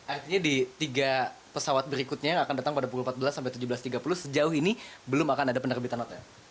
artinya di tiga pesawat berikutnya yang akan datang pada pukul empat belas sampai tujuh belas tiga puluh sejauh ini belum akan ada penerbitan hotel